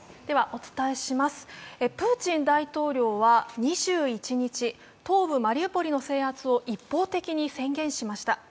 お伝えします、プーチン大統領は２１日、東部マリウポリの制圧を一方的に宣言しました。